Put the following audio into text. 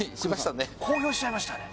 公表しちゃいましたね。